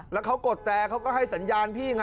แล้วเขากดแต่เขาก็ให้สัญญาณพี่ไง